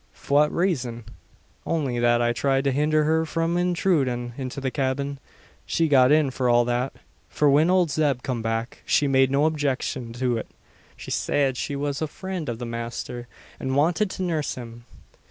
"Fwhat rayzun? Only that I thried to hindher her from inthrudin' into the cyabin. She got in for all that; for whin owld Zeb come back, he made no objecshun to it. She sayed she was a frind av the masther, an wanted to nurse him."